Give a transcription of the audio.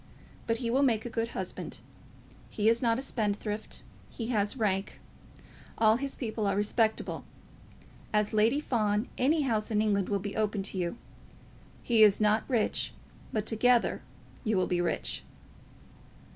But he will make a good husband. He is not a spendthrift. He has rank. All his people are respectable. As Lady Fawn, any house in England will be open to you. He is not rich, but together you will be rich."